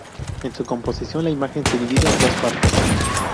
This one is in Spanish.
En su composición, la imagen se divide en dos partes.